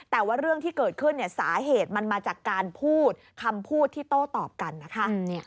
แต่ว่าเรื่องที่เกิดขึ้นสาเหตุมันมาจากการพูดคำพูดที่โต้ตอบกันนะคะ